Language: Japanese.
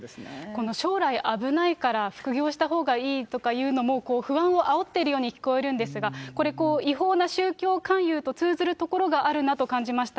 この将来危ないから副業したほうがいいとかいうのも、不安をあおってるように聞こえるんですが、これ、違法な宗教勧誘と通ずるところがあるなと感じました。